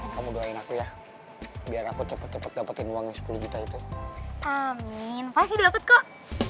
kamu doain aku ya biar aku cepet cepet dapetin uangnya sepuluh juta itu amin pasti dapat kok